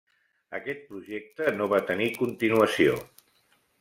Aquest projecte no va tenir continuació.